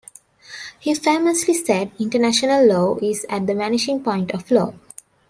He famously said international law is at the vanishing point of law.